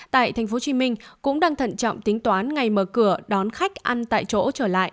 tại tp hcm cũng đang thận trọng tính toán ngày mở cửa đón khách ăn tại chỗ trở lại